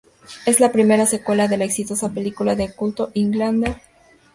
Es la primera secuela de la exitosa película de culto "Highlander".